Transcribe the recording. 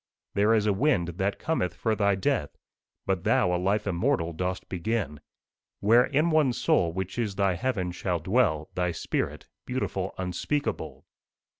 There is a wind that cometh for thy death, But thou a life immortal dost begin, Where, in one soul, which is thy heaven, shall dwell Thy spirit, beautiful Unspeakable!"